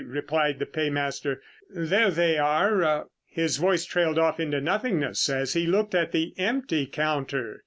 replied the paymaster. "There they are...." His voice trailed off into nothingness as he looked at the empty counter.